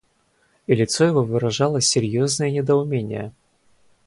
И лицо его выражало серьезное недоумение.